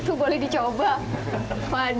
gak boleh dibawa pulang